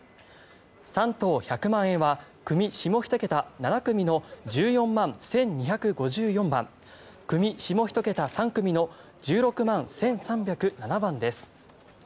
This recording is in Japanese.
３等１００万円は組下１桁７組の１４１２５４番組下１桁３組の１６１３０７番です。